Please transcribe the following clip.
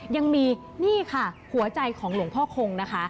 ยังมีนี่ค่ะหัวใจของหลวงพ่อคงนะคะ